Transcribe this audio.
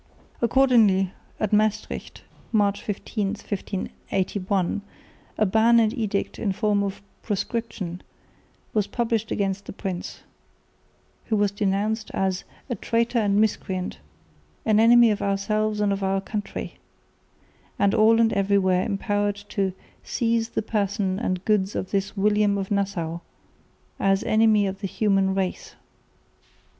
Accordingly at Maestricht, March 15, 1581, "a ban and edict in form of proscription" was published against the prince, who was denounced as "a traitor and miscreant, an enemy of ourselves and of our country"; and all and everywhere empowered "to seize the person and goods of this William of Nassau, as enemy of the human race."